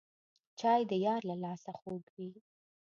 چای د یار له لاسه خوږ وي